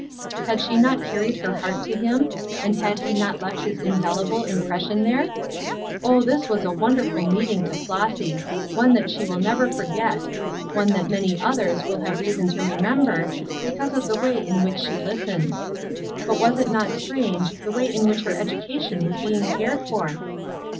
Had she not carried her heart to him, and had he not left his indelible impression there? Oh, this was a wonderful meeting to Flossy one that she will never forget one that many others will have reason to remember, because of the way in which she listened. But was it not strange, the way in which her education was being cared for?